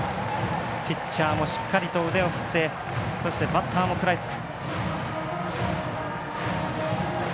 ピッチャーもしっかりと腕を振ってそしてバッターも食らいつく。